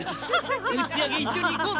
打ち上げ一緒に行こーぜ！